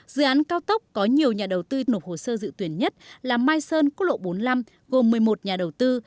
dự án cao tốc có nhiều nhà đầu tư nộp hồ sơ dự tuyển nhất là mai sơn quốc lộ bốn mươi năm gồm một mươi một nhà đầu tư